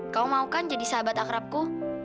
kau mau kan jadi sahabat akrabku